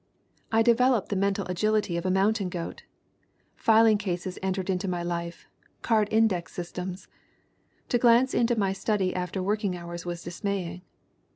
"I developed the mental agility of a mountain goat ! Filing cases entered into my life, card index systems. To glance into my study after working hours was dismaying.